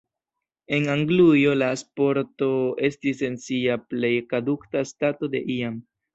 En Anglujo la sporto estis en sia plej kaduka stato de iam.